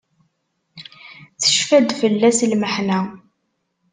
Tecfa-d fell-as lmeḥna.